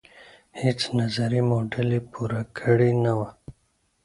هیڅ نظري موډل یې پور کړې نه وه.